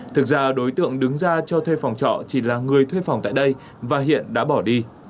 thực ra đối tượng đứng ra cho thuê phòng trọ chỉ là người thuê phòng tại đây và hiện đã bỏ đi